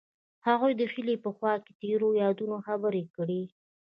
هغوی د هیلې په خوا کې تیرو یادونو خبرې کړې.